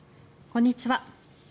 こんにちは。